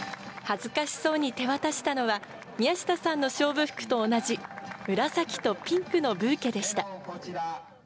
恥ずかしそうに手渡したのは、宮下さんの勝負服と同じ紫とピンクのブーケでした。